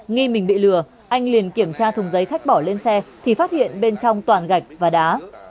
nghi mình bị lừa anh liền kiểm tra thùng giấy khách bỏ lên xe thì phát hiện bên trong toàn gạch và đá